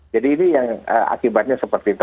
jadi ini yang akibatnya seperti itu